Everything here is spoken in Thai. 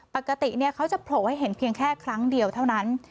ปกติเขาจะโผล่ให้เห็นเพียงแค่ครั้งเดียวเท่านั้น